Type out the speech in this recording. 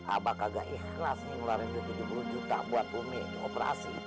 aba kagak ikhlas nih ngeluarin tujuh puluh juta buat umi dioperasi